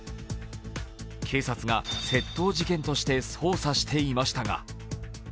警察が窃盗事件として捜査していましたが、